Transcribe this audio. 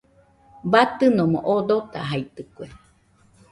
Batɨnomo oo dotajaitɨkue.